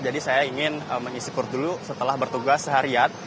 jadi saya ingin mengisipur dulu setelah bertugas seharian